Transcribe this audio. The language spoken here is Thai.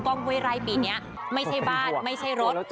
ห้วยไร่ปีนี้ไม่ใช่บ้านไม่ใช่รถ